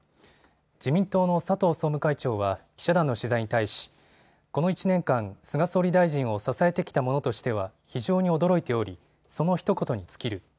自民党の佐藤総務会長は記者団の取材に対しこの１年間、菅総理大臣を支えてきた者としては非常に驚いておりそのひと言に尽きる。